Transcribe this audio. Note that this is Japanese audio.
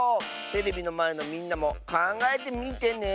テレビのまえのみんなもかんがえてみてね。